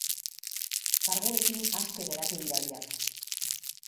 Karguekin aske geratu dira biak.